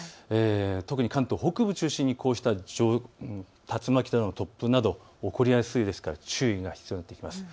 特に関東北部を中心にこうした竜巻や突風など起こりやすいですから注意が必要になってきます。